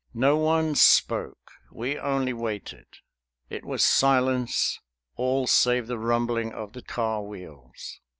No one spoke; we only waited. It was silence, all save the rumbling of the car wheels.